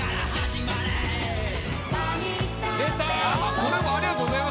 これもありがとうございます。